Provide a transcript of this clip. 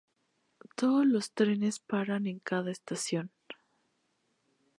Todos los trenes paran en cada estación.